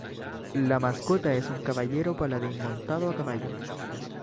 La mascota es un caballero paladín montado a caballo.